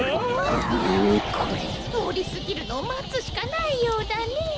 とおりすぎるのをまつしかないようだねえ。